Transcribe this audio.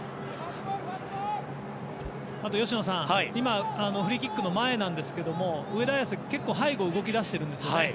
吉野さん、今フリーキックの前なんですけど上田綺世、結構背後に動き出しているんですよね。